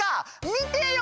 見てよ！